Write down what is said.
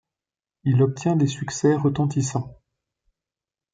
Il obtient des succès retentissants.